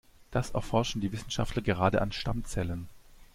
Das erforschen die Wissenschaftler gerade an Stammzellen.